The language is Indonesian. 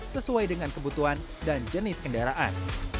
sesuai dengan kebutuhan dan jenis kendaraan